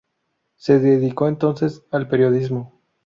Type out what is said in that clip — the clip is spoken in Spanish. Se dedicó entonces al periodismo.